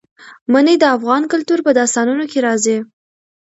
منی د افغان کلتور په داستانونو کې راځي.